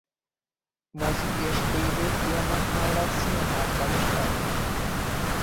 Mozi és tv-filmek mellett színházban is fellépett.